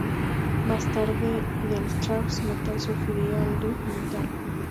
Más tarde del thrash metal surgiría el death metal.